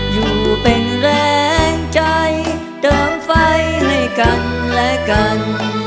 อยู่เป็นแรงใจเติมไฟให้กันและกัน